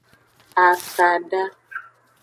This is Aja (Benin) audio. Akada.